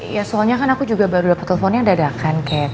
ya soalnya kan aku juga baru dapet teleponnya yang dadakan cat